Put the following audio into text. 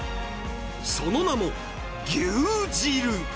その名も、牛汁。